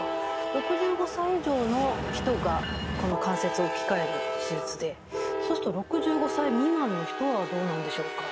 ６５歳以上の人がこの関節を置き換える手術でそうすると６５歳未満の人はどうなんでしょうか？